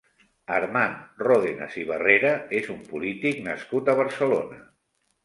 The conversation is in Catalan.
Armand Ródenas i Barrera és un polític nascut a Barcelona.